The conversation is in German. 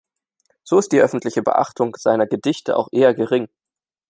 So ist die öffentliche Beachtung seiner Gedichte auch eher gering.